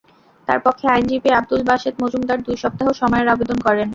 তাঁর পক্ষে আইনজীবী আবদুল বাসেত মজুমদার দুই সপ্তাহ সময়ের আবেদন করেন।